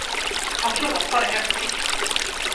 Han flåsade häftigt.